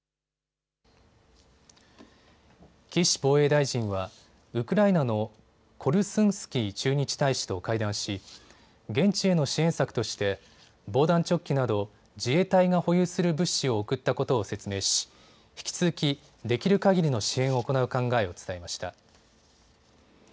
岸防衛大臣はウクライナのコルスンスキー駐日大使と会談し現地への支援策として防弾チョッキなど自衛隊が保有する物資を送ったことを説明し引き続き、できるかぎりの支援を行う考えを伝えました。